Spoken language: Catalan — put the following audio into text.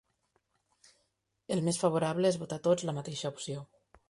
El més favorable és votar tots la mateixa opció.